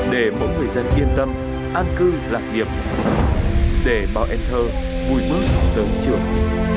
để mỗi người dân yên tâm an cư lạc nghiệp để bao ên thơ vui mơ tớm trường